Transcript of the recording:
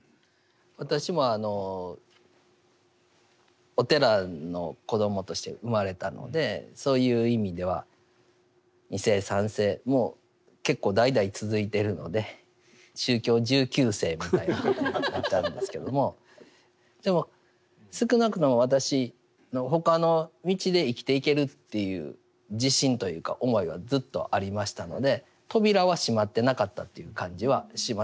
私もお寺の子どもとして生まれたのでそういう意味では２世３世もう結構代々続いているので宗教１９世みたいなことになっちゃうんですけども。でも少なくとも私の他の道で生きていけるっていう自信というか思いはずっとありましたので扉は閉まってなかったという感じはします。